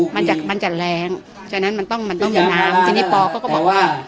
มันจะมันจะแรงฉะนั้นมันต้องมันต้องมีน้ำทีนี้ปอเขาก็บอกว่า